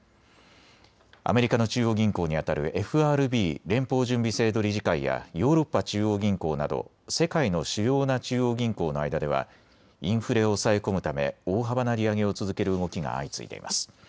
アメリカの中央銀行にあたるＦＲＢ・連邦準備制度理事会やヨーロッパ中央銀行など世界の主要な中央銀行の間ではインフレを抑え込むため大幅な利上げを続ける動きが相次いでいます。